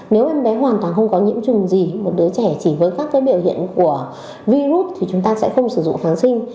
nếu em bé hoàn toàn không có nhiễm trùng gì một đứa trẻ chỉ với các biểu hiện của virus thì chúng ta sẽ không sử dụng kháng sinh